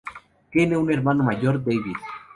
Tiene un hermano mayor, David.